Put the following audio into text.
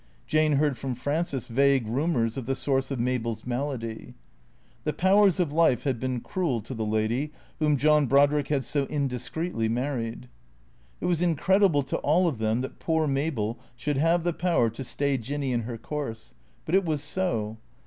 Jane heard from Frances vague rumours of the source of Mabel's malady. The powers of life had been cruel to the lady whom John Brodrick had so indiscreetly married. It was incredible to all of them that poor Mabel should have the power to stay Jinny in her course. But it was so.